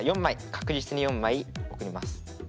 確実に４枚送ります。